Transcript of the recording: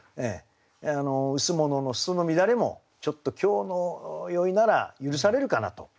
「羅の裾の乱れ」もちょっと「京の宵」なら許されるかなと。